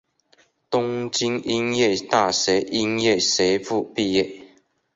东京音乐大学音乐学部毕业。